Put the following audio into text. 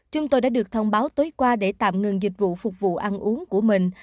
chúng tôi đã được thông báo tối qua để tạm ngừng dịch vụ phục vụ ăn uống của mình